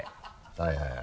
はいはい。